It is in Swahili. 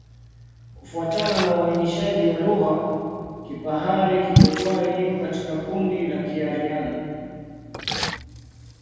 Kufuatana na uainishaji wa lugha, Kipahari-Kipotwari iko katika kundi la Kiaryan.